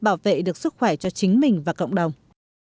bảo vệ được sức khỏe cho chính mình và cộng đồng